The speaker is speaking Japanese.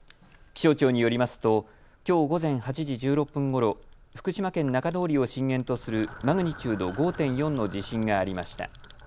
気象庁によりますときょう午前８時１６分ごろ福島県中通りを震源とするマグニチュード５．４の地震がありました。